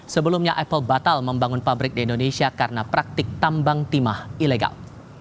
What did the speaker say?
sebelumnya apple batal membangun pabrik di indonesia karena praktik tambang timah ilegal